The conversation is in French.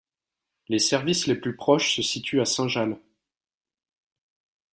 Les services les plus proches se situent à St Jalles.